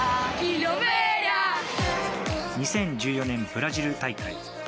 ２０１４年ブラジル大会。